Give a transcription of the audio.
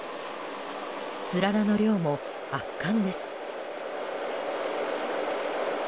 つららの量も圧巻です。